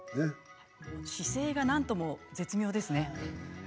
姿勢がなんとも絶妙ですね